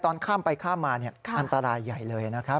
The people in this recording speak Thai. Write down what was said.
ตอนข้ามไปข้ามมาอันตรายใหญ่เลยนะครับ